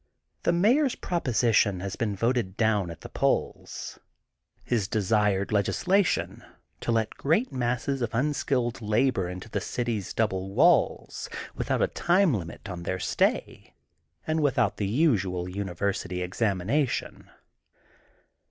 The Mayor's proposition has been voted down at the polls, his desired legislation to let great masses of unskilled labor into the city's double walls without a time limit on their stay and without the usual University examination.